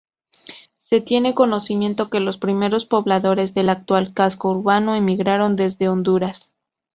Se tiene conocimiento que los primeros pobladores del actual casco urbano emigraron desde Honduras.